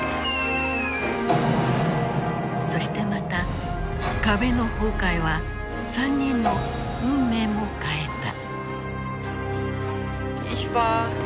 そしてまた壁の崩壊は３人の運命も変えた。